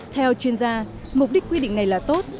theo chuyên gia mục đích quy định này là tốt